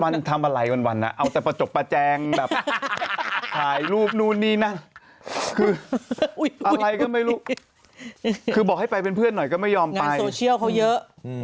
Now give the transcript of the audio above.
งานโซเชียลเขาเยอะ